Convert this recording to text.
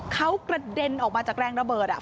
เขากระเด็นออกมาจากแรงระเบิด